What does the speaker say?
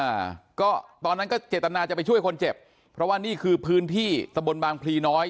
อ่าก็ตอนนั้นก็เจตนาจะไปช่วยคนเจ็บเพราะว่านี่คือพื้นที่ตะบนบางพลีน้อย